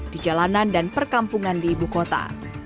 di jalanan dan perkampungan di ibu kota